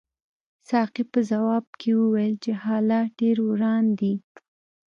ساقي په ځواب کې وویل چې حالات ډېر وران دي.